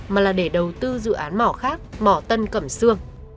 mà là để đầu tư dự án mỏ khác mỏ tân cẩm sương